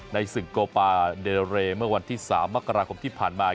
ในศึกโกปาเดเรเมื่อวันที่๓มกราคมที่ผ่านมา